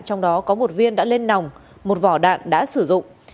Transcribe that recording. trong đó có một viên đã lên nòng một vỏ đạn đã sử dụng